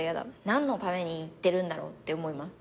何のために言ってるんだろうって思います。